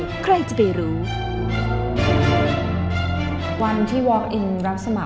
มีโอกาสเห็นหนูใส่ชุดสีขาวผ้ามุ้งกรี๊กรายาวเข้ามา